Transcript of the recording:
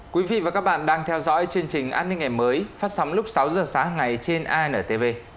quý vị và các bạn đang theo dõi chương trình an ninh ngày mới phát sóng lúc sáu h sáng ngày trên intv